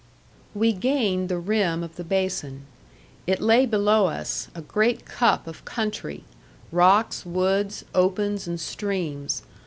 We gained the rim of the basin. It lay below us, a great cup of country, rocks, woods, opens, and streams.